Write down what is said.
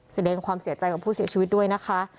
แสดงความเสียใจกับผู้เสียชีวิตด้วยนะคะ